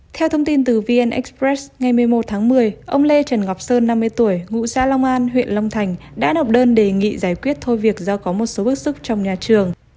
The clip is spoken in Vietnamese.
theo thông tin từ vn express ngày một mươi một tháng một mươi ông lê trần ngọc sơn năm mươi tuổi ngụ xã long an huyện long thành đã nộp đơn đề nghị giải quyết thôi việc do có một số bước xúc trong nhà trường